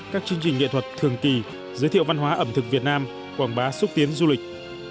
các chương trình nghệ thuật thường kỳ giới thiệu văn hóa ẩm thực việt nam quảng bá xúc tiến du lịch